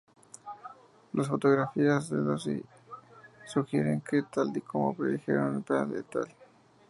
Las fotografías de Ío sugerían que, tal y como predijeron Peale "et al.